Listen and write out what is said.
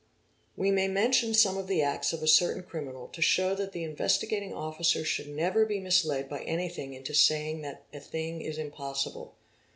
; We may mention some of the acts of a certain criminal to show that the Investigating Officer should never be misled by anything into saying that ' a thing is "impossible".